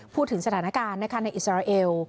พูดถึงสถานการณ์ในอิสราเอล